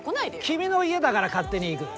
君の家だから勝手に行く。